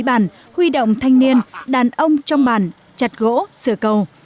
bản quản lý bản huy động thanh niên đàn ông trong bản chặt gỗ sửa cầu